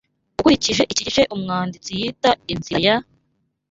Ukurikije iki gice umwanditsi yita inzira ya